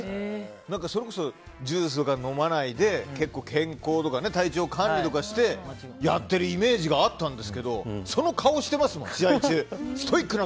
それこそジュースとか飲まないで健康とか体調管理とかしてやってるイメージがあったんですけどその顔してますもん、試合中。